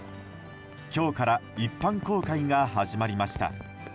今日から一般公開が始まりました。